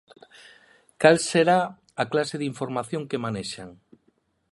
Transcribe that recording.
Cal será a clase de información que manexan?